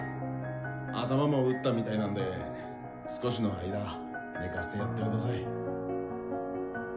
頭も打ったみたいなんで少しの間寝かせてやってください。